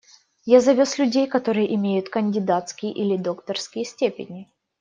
Я завез людей, которые имеют кандидатские или докторские степени.